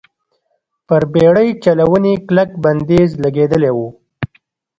پر بېړۍ چلونې کلک بندیز لګېدلی و.